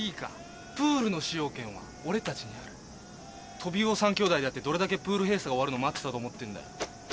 トビウオ三兄弟だってどれだけプール閉鎖が終わるのを待ってたと思ってんだよ？